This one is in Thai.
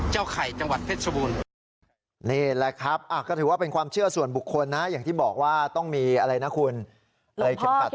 หลวงพ่อเข็มผัดนิรภัย